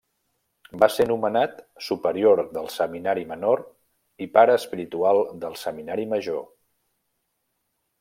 Va ser nomenat superior del seminari menor i pare espiritual del seminari major.